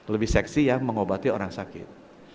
lebih seksi yang mengobati orang sakit